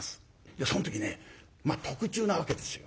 その時ね特注なわけですよ。